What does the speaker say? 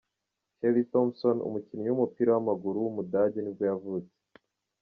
Shelley Thompson, umukinnyi w’umupira w’amaguru w’umudage nibwo yavutse.